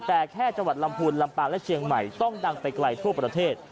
แต่แค่จังหวัดลำพูนลำปางและเชียงใหม่ต้องดังไปไกลทั่วประเทศ